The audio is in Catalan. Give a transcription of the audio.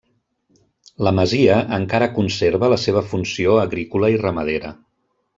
La masia encara conserva la seva funció agrícola i ramadera.